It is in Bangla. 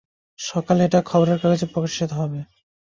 সকালে, এটা খবরের কাগজে প্রকাশিত হবে।